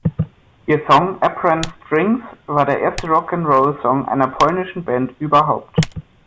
Ihr Song "Apron Strings" war der erste Rock-'n'-Roll-Song einer polnischen Band überhaupt.